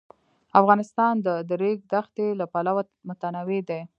افغانستان د د ریګ دښتې له پلوه متنوع دی.